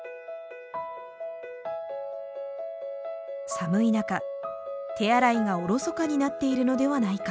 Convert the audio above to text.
寒い中手洗いがおろそかになっているのではないか。